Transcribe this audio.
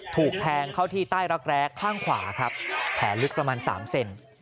ถูกแทงเข้าที่ใต้รักแร้ข้างขวาครับแผลลึกประมาณ๓เซน